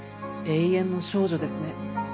永遠の少女ですね